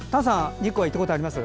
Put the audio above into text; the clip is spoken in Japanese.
日光は行ったことあります？